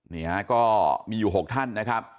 นี่ฮะก็มีอยู่๖ท่านนะครับ